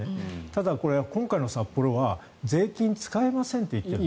ただ、今回の札幌は税金を使いませんと言ってる。